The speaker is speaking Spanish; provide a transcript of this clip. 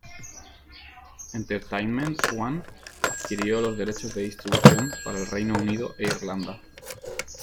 Entertainment One adquirió los derechos de distribución para el Reino Unido e Irlanda.